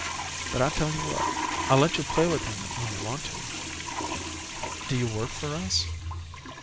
But, I'll tell yo' what: I'll let yo' play with him when yo' want to." "Do you work for us?"